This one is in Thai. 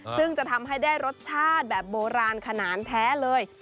ซึ่งจะทำให้ได้รสชาติแบบโบราณขนาดแท้เลย